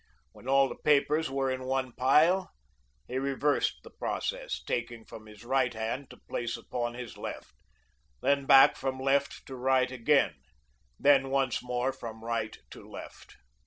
When all the papers were in one pile, he reversed the process, taking from his right hand to place upon his left, then back from left to right again, then once more from right to left.